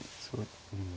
うん。